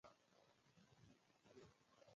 سودیم هایدروکساید د صابون جوړولو کې په کار وړل کیږي.